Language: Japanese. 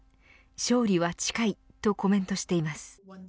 勝利は近いとコメントしています。